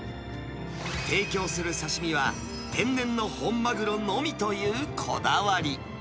提供する刺身は、天然の本マグロのみというこだわり。